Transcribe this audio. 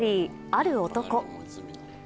「ある男」。